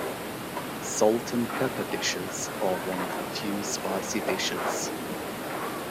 Salt and pepper dishes are one of the few spicy dishes.